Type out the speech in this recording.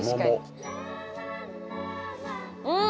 うん！